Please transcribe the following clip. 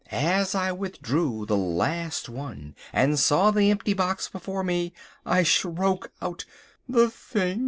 As I withdrew the last one and saw the empty box before me, I shroke out—"The thing!